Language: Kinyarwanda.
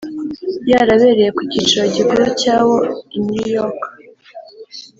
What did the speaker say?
yarabereye ku cyicaro gikuru cyawo i New York